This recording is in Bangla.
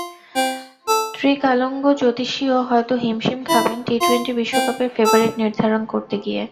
ত্রিকালজ্ঞ জ্যোতিষীও হয়তো হিমশিম খাবেন টি-টোয়েন্টি বিশ্বকাপের ফেবারিট নির্ধারণ করতে গিয়ে।